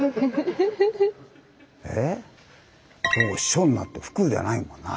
「奉書」になって「復」じゃないもんな。